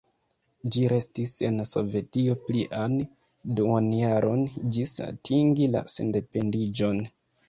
Ĝi restis en Sovetio plian duonjaron ĝis atingi la sendependiĝon.